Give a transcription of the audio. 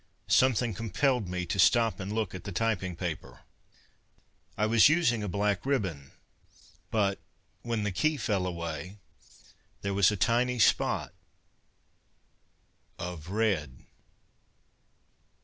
Something compelled me to stop and look at the typing paper. I was using a black ribbon, but when the key fell away, there was a tiny spot of red....